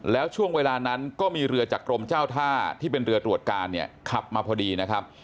แล้วช่วงเวลานั้นก็มีเรือจากกรมเจ้าท่าที่เป็นเรือตรวจการเนี่ยขับมาพอดีนะครับ